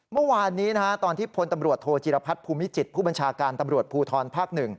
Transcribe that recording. เมื่อวานนี้ตอนที่พลตำรวจโทจิรพัฒน์ภูมิจิตผู้บัญชาการตำรวจภูทรภาค๑